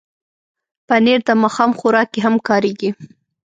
پنېر د ماښام خوراک کې هم کارېږي.